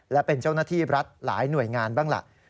และเป็นเจ้าหน้าที่รัฐหลายหน่วยงานบ้างล่ะ